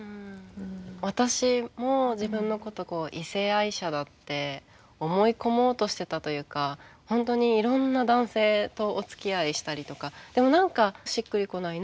私も自分のことこう異性愛者だって思い込もうとしてたというか本当にいろんな男性とおつきあいしたりとかでも何かしっくりこない。